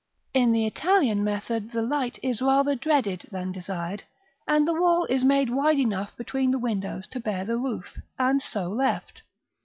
In the Italian method the light is rather dreaded than desired, and the wall is made wide enough between the windows to bear the roof, and so left.